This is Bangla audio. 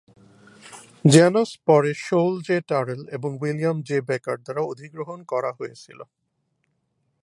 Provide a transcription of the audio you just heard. জ্যানাস পরে শৌল জে. টারেল এবং উইলিয়াম জে. বেকার দ্বারা অধিগ্রহণ করা হয়েছিল।